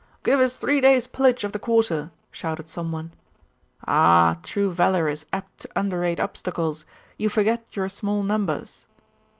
'Give us three days' pillage of the quarter!' shouted some one. 'Ah, true valour is apt to underrate obstacles; you forget your small numbers.